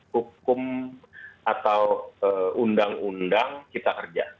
hukum atau undang undang kita kerja